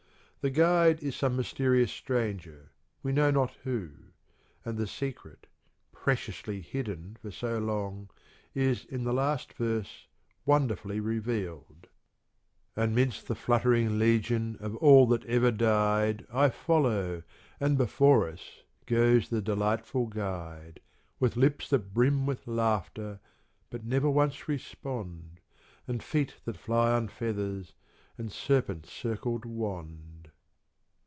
The guide is some mysterious stranger, we know not who: the secret, preciously hidden for so long, is in the last verse wonderfully revealed : And midst the fluttering legion Of all that ever died I follow and before us Goes the delightful guide, With lips that brim with laughter But never once respond, And feet that fly on feathers, And serpent circled wand.